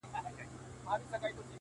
نه د ژړا نه د خندا خاوند دی،